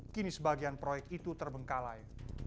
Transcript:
kini sebagian proyek itu terbengkalai